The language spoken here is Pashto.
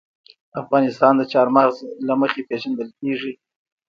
افغانستان د چار مغز له مخې پېژندل کېږي.